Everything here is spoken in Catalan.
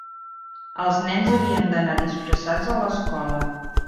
Els nens havien d'anar disfressats a l'escola.